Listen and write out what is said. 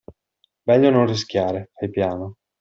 Meglio non rischiare, fai piano.